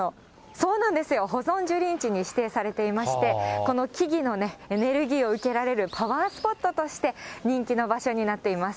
そうなんですよ、保存樹林地に指定されていまして、この木々のエネルギーを受けられるパワースポットとして、人気の場所になっています。